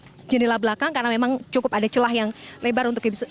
kita bisa melewati jendela belakang karena memang cukup ada celah yang lebar untuk melihat